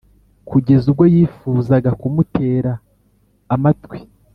kugeza ubwo yifuzaga kumutera amatwi.